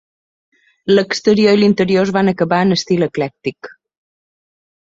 L'exterior i l'interior es van acabar en estil eclèctic.